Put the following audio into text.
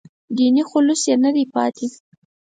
دیني خلوص یې نه دی پاتې.